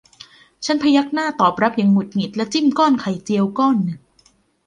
ฉันพยักหน้าตอบรับอย่างหงุดหงิดและจิ้มก้อนไข่เจียวก้อนหนึ่ง